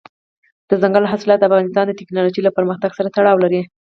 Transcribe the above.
دځنګل حاصلات د افغانستان د تکنالوژۍ له پرمختګ سره تړاو لري.